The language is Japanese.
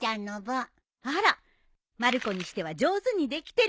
あらまる子にしては上手にできてる。